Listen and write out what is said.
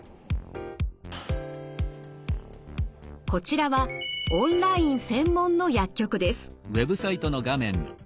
こちらはオンライン専門の薬局です。